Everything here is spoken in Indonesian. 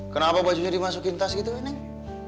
kenapa bajunya dimasukin tas gitu neng